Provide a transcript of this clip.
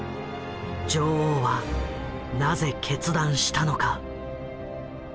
女王はなぜ決断したのか？